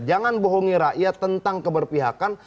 jangan bohongi rakyat tentang keberpihakan